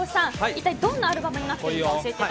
一体どんなアルバムになっているでしょうか。